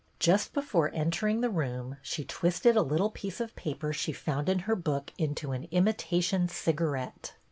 Just before entering the room she twisted a little piece of paper she found in her book BETTY BAIRD 134 into an imitation cisfarette.